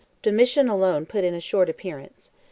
Domitian alone put in a short appearance.